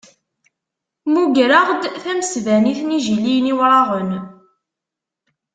Mmugreɣ-d tamesbanit n Yijiliyen Iwraɣen.